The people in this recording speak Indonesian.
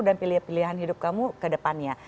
dan pilihan hidup kamu ke depannya